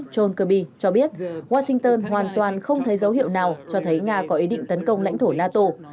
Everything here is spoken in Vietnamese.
john kirby cho biết washington hoàn toàn không thấy dấu hiệu nào cho thấy nga có ý định tấn công lãnh thổ nato